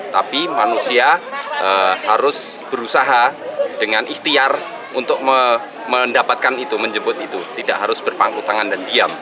tapi manusia harus berusaha dengan ikhtiar untuk mendapatkan itu menjemput itu tidak harus berpangku tangan dan diam